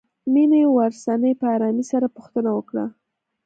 مينې ورڅنې په آرامۍ سره پوښتنه وکړه.